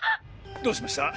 どうしました？